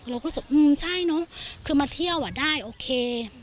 เราก็รู้สึกอืมใช่เนอะคือมาเที่ยวอ่ะได้โอเค